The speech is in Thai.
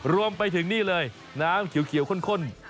รวมไปถึงนี่เลยน้ำเขียวข้น